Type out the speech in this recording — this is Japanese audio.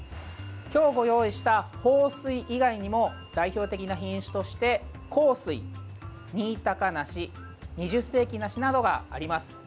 今日ご用意した豊水以外にも代表的な品種として幸水新高梨二十世紀梨などがあります。